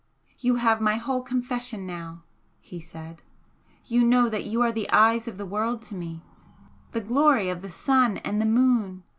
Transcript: "You have my whole confession now!" he said "You know that you are the eyes of the world to me the glory of the sun and the moon!